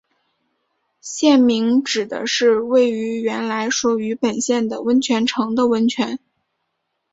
县名指的是位于原来属于本县的温泉城的温泉。